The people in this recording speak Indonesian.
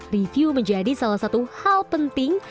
review menjadi salah satu hal penting